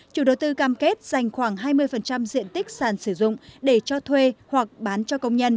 chủ đầu tư cam kết dành khoảng hai mươi diện tích sàn sử dụng để cho thuê hoặc bán cho công nhân